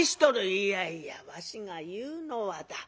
「いやいやわしが言うのはだ